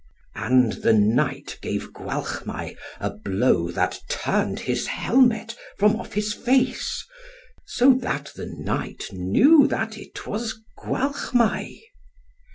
And the Knight gave Gwalchmai a blow that turned his helmet from off his face, so that the Knight knew that it was Gwalchmai.